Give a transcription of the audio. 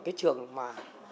cái trường mà